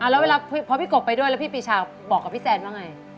แล้วเวลาพอพี่กบไปด้วยแล้วพี่ปีชาบอกกับพี่แซนว่าไง